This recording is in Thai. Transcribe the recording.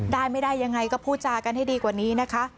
ได้ไม่ได้ยังไงก็พูดจากันให้ดีกว่านี้นะคะ